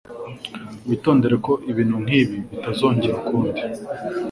Witondere ko ibintu nkibi bitazongera ukundi.